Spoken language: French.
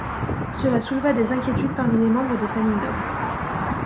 Cela souleva des inquiétudes parmi les membres des familles nobles.